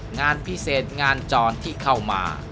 งานพิเศษงานจรที่เข้ามา